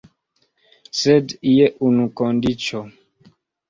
Sed je unu kondiĉo.